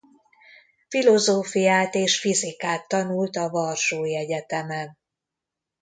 Filozófiát és fizikát tanult a Varsói Egyetemen.